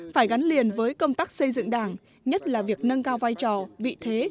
phải gắn liền với công tác xây dựng đảng nhất là việc nâng cao vai trò vị thế